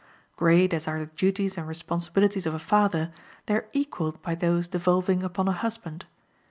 Great as are the duties and responsibilities of a father, they are equaled by those devolving upon a husband.